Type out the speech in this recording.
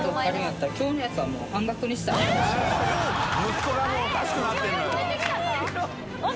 息子がもうおかしくなってるのよ山崎）